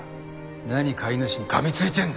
何飼い主に噛みついてんだ？